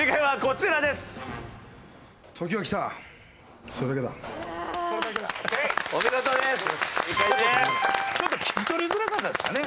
ちょっと聞き取りづらかったですかね。